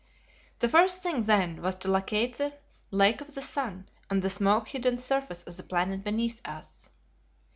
The first thing, then, was to locate the Lake of the Sun on the smoke hidden surface of the planet beneath us.